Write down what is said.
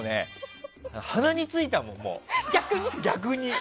鼻についたもん、逆に。